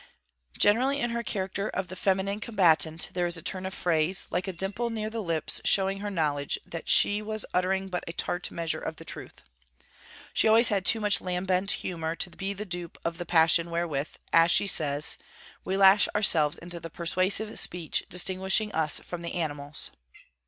Generally in her character of the feminine combatant there is a turn of phrase, like a dimple near the lips showing her knowledge that she was uttering but a tart measure of the truth. She had always too much lambent humour to be the dupe of the passion wherewith, as she says, 'we lash ourselves into the persuasive speech distinguishing us from the animals.'